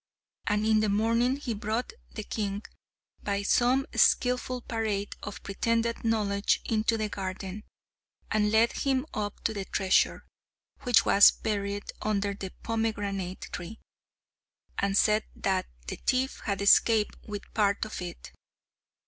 And in the morning he brought the king, by some skilful parade of pretended knowledge into the garden, and led him up to the treasure, which was buried under the pomegranate tree, and said that the thief had escaped with a part of it.